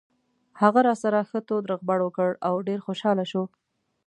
هغه راسره ښه تود روغبړ وکړ او ډېر خوشاله شو.